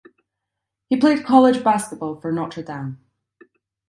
He played college basketball for Notre Dame.